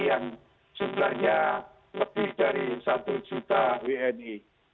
yang jumlahnya lebih dari satu juta wni